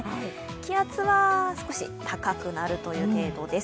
気圧は少し高くなるという程度です。